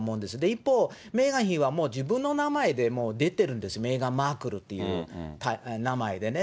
一方、メーガン妃はもう自分の名前でもう出てるんです、メーガン・マークルっていう名前でね。